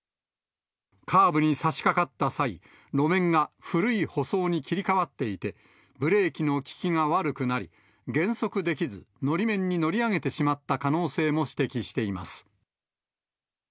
カーブにさしかかった際、路面が古い舗装に切り替わっていて、ブレーキの利きが悪くなり、減速できず、のり面に乗り上げてしまった可能性も指摘しています。